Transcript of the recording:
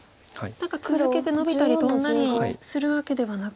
何か続けてノビたりトンだりするわけではなく。